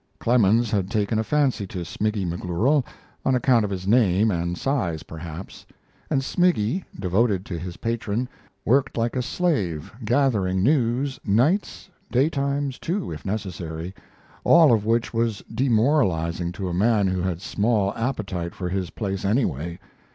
Clemens had taken a fancy to Smiggy McGlooral on account of his name and size perhaps and Smiggy, devoted to his patron, worked like a slave gathering news nights daytimes, too, if necessary all of which was demoralizing to a man who had small appetite for his place anyway.